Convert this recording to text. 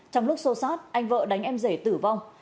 trong lúc xô xát anh vợ đánh em rể tử vong